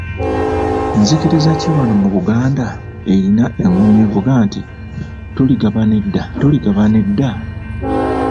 "Nzikiriza ki wano mu Buganda erina eng’oma evuga nti “Tuligabana edda, tuligabana edda”?"